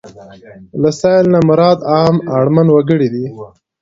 له سايل نه مراد عام اړمن وګړي دي.